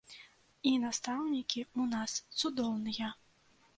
І настаўнікі ў нас цудоўныя.